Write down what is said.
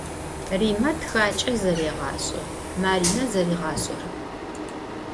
Rime txaç'e zerêğaş'e, Marine zeriğaş'erep.